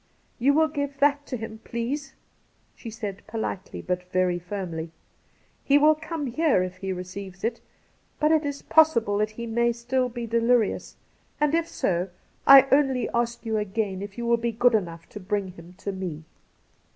' You will give that to him, please,' she said politely, but very firmly. ' He will come here if he receives it ; but it Is possible that he may still be delirious, and if so, I only ask you again Cassidy 157 if you will be good enough to bring him to me.'